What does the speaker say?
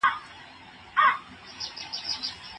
هغه سړی چې ولاړ و، مېلمه و.